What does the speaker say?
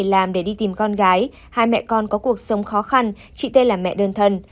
em linh đã làm để đi tìm con gái hai mẹ con có cuộc sống khó khăn chị t là mẹ đơn thân